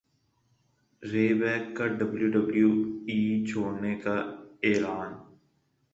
رے بیک کا W W E چھوڑنے کا اعلان